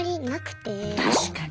確かに。